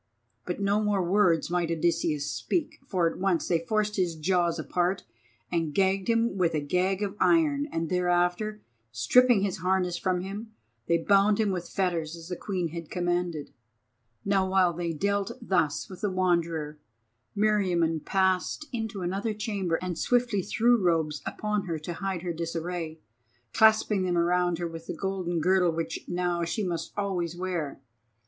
But no more words might Odysseus speak, for at once they forced his jaws apart and gagged him with a gag of iron; and thereafter, stripping his harness from him, they bound him with fetters as the Queen had commanded. Now while they dealt thus with the Wanderer, Meriamun passed into another chamber and swiftly threw robes upon her to hide her disarray, clasping them round her with the golden girdle which now she must always wear.